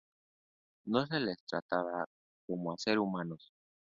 No se les trataba como a seres humanos.